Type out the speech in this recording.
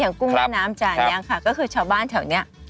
อย่างกุ้งหน้าน้ำจานยังค่ะก็คือชาวบ้านแถวนี้